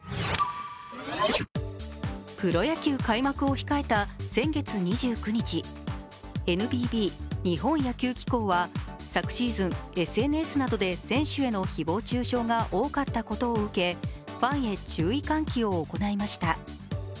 プロ野球開幕を控えた先月２９日ＮＰＢ＝日本野球機構は昨シーズンＳＮＳなどで選手へのひぼう中傷が多かったことを受けファンへ注意喚起を行いました。